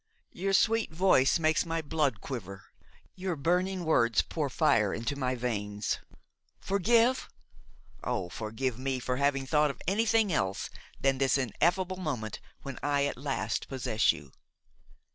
Your sweet voice makes my blood quiver, your burning words pour fire into my veins; forgive, oh! forgive me for having thought of anything else than this ineffable moment when I at last possess you.